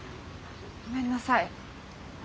ごめんなさい私。